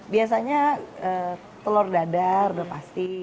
biasanya telur dadar udah pasti